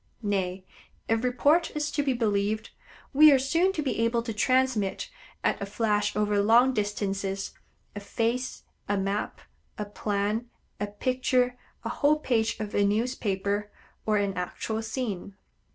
Nay, if report is to be believed, we are soon to be able to transmit, at a flash over long distances, a face, a map, a plan, a picture, a whole page of a newspaper, or an actual scene.